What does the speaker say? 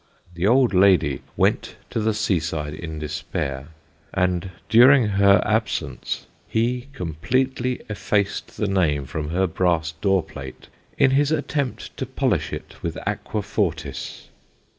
The old lady went to the sea side in despair, and during her absence he completely effaced the name from her brass door plate, in his attempts to polish it with aqua fortis.